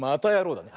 だね。